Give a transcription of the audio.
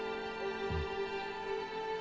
うん。